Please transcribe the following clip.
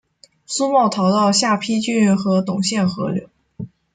苏茂逃到下邳郡和董宪合流。